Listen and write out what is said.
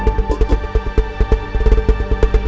nah berarti g watched berubah hitung